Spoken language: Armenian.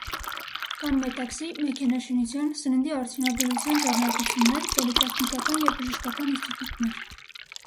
Կան մետաքսի, մեքենաշինության, սննդի արդյունաբերության ձեռնարկություններ, պոլիտեխնիկական և բժշկական ինստիտուտներ։